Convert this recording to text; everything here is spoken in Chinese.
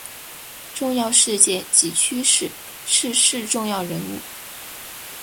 重要事件及趋势逝世重要人物